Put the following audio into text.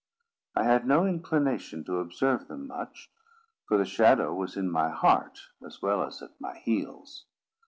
I had no inclination to observe them much, for the shadow was in my heart as well as at my heels.